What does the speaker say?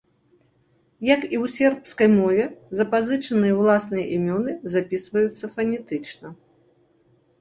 Як і ў сербскай мове, запазычаныя ўласныя імёны запісваюцца фанетычна.